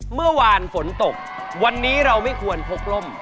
เมื่อวานฝนตกวันนี้เราไม่ควรพกร่ม